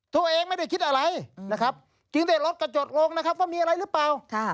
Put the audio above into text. ตัวเองไม่ได้คิดอะไรนะครับจึงได้ลดกระจกลงนะครับว่ามีอะไรหรือเปล่า